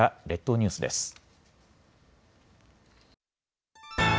列島ニュースです。